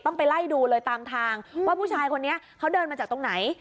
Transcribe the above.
ไปไล่ดูเลยตามทางว่าผู้ชายคนนี้เขาเดินมาจากตรงไหน